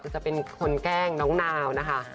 จะเป็นคนแกล้งน้องนาวนะคะ